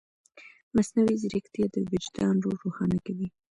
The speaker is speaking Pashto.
مصنوعي ځیرکتیا د وجدان رول روښانه کوي.